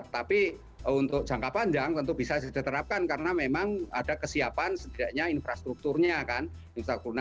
tapi untuk jangka panjang tentu bisa diterapkan karena memang ada kesiapan setidaknya infrastrukturnya kan